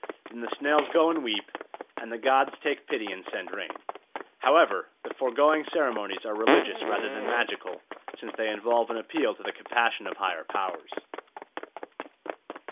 Then the snails go and weep, and the gods take pity and send rain. However, the foregoing ceremonies are religious rather than magical, since they involve an appeal to the compassion of higher powers.